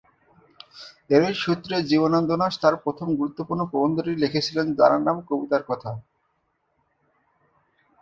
এরই সূত্রে জীবনানন্দ তাঁর প্রথম গুরুত্বপূর্ণ প্রবন্ধটি লিখেছিলেন যার নাম ‘কবিতার কথা’।